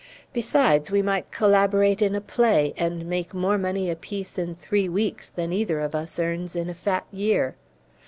Besides, we might collaborate in a play, and make more money apiece in three weeks than either of us earns in a fat year.